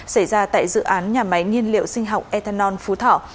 xảy ra tại dự án nhà máy nhiên liệu sinh học ethanol phú thọ